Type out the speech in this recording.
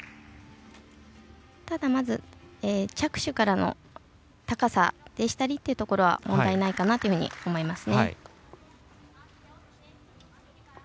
ただ、着手からの高さでしたりというところは問題ないかなというふうに思います。